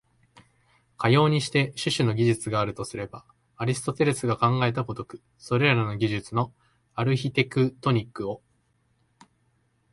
かようにして種々の技術があるとすれば、アリストテレスが考えた如く、それらの技術のアルヒテクトニックを、